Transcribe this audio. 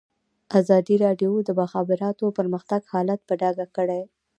ازادي راډیو د د مخابراتو پرمختګ حالت په ډاګه کړی.